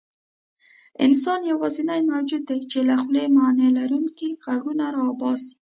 انسان یواځینی موجود دی، چې له خولې معنیلرونکي غږونه راباسي.